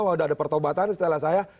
wah udah ada pertobatan setelah saya